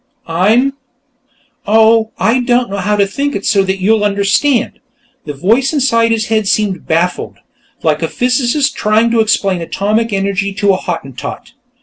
"I'm.... Oh, I don't know how to think it so that you'll understand." The voice inside his head seemed baffled, like a physicist trying to explain atomic energy to a Hottentot.